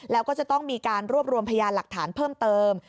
แล้วก็จะต้องมีการรวบรวมพยานหลักฐานเพิ่มเติม